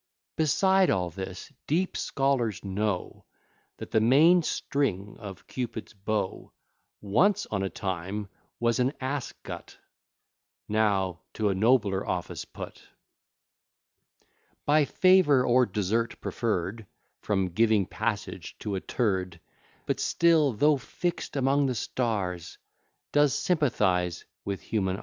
Beside all this, deep scholars know, That the main string of Cupid's bow, Once on a time was an a gut; Now to a nobler office put, By favour or desert preferr'd From giving passage to a t ; But still, though fix'd among the stars, Does sympathize with human a